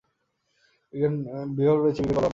বিভাগ রয়েছে: বিজ্ঞান, কলা ও বাণিজ্য।